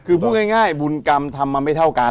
คือพูดง่ายบุญกรรมทำมาไม่เท่ากัน